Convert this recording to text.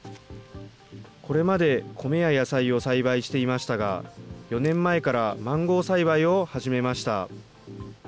これまで米や野菜を栽培していましたが、４年前からマンゴー栽培を始めました。